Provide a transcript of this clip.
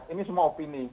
ini semua opini